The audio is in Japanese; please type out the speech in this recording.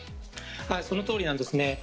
そのとおりなんですね。